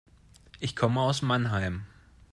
Ich komme aus Mannheim